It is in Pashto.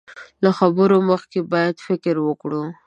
له خبرو مخکې بايد فکر وکړو.